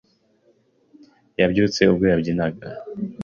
Yabyutse ubwo yabyinaga